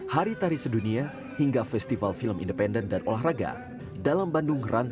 hari tari sedunia hingga festival film independen dan olahraga dalam bandung rantai